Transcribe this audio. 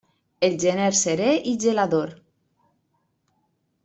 El gener serè i gelador.